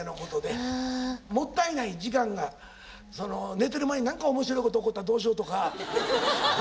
寝てる間に何か面白いこと起こったらどうしようとか。